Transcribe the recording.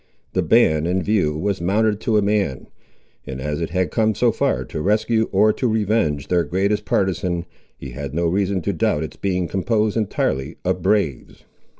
The band in view was mounted to a man; and as it had come so far to rescue, or to revenge, their greatest partisan, he had no reason to doubt its being composed entirely of braves.